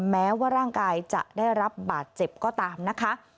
แม้ว่าร่างกายจะได้รับบาดเจ็บก็ตามนะคะ